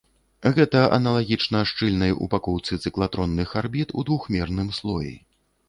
Гэта аналагічна шчыльнай упакоўцы цыклатронных арбіт ў двухмерным слоі.